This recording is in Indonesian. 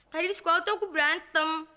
tadi di sekolah aku berantem